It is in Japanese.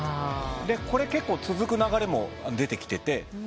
でこれ結構続く流れも出てきてて。